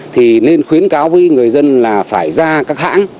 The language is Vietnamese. thì nên khuyến cáo với người dân là phải ra các hãng